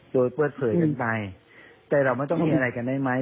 โดยเปิดเผยกันไปแต่เราไม่ต้องมีอะไรกันได้ไหม